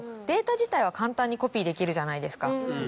データ自体は簡単にコピーできるじゃないですか。